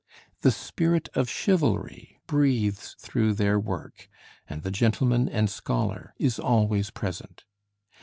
The spirit of chivalry breathes through their work, and the gentleman and scholar is always present.